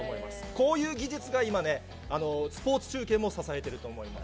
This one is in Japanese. こういう技術が今ね、スポーツ中継も支えてると思います。